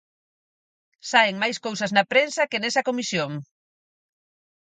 Saen máis cousas na prensa que nesa comisión.